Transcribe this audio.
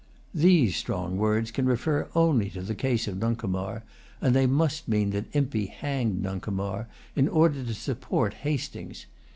These strong words can refer only to the case of Nuncomar; and they must mean that Impey hanged Nuncomar in order to support Hastings.